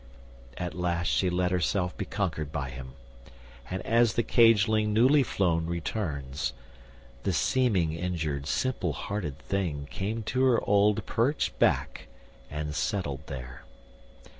At last she let herself be conquered by him, And as the cageling newly flown returns, The seeming injured simple hearted thing Came to her old perch back, and settled there.